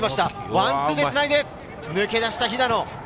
ワンツーでつないで抜け出した肥田野。